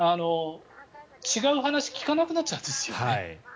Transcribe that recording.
違う話を聞かなくなっちゃうんですよね。